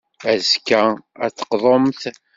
Azekka, ad d-teqḍumt.